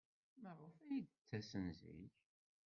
Maɣef ay d-ttasen zik?